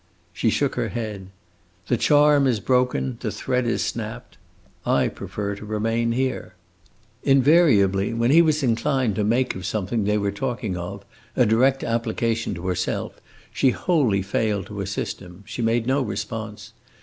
She shook her head. "The charm is broken; the thread is snapped! I prefer to remain here." Invariably, when he was inclined to make of something they were talking of a direct application to herself, she wholly failed to assist him; she made no response.